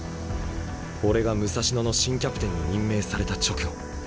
俺が武蔵野の新キャプテンに任命された直後。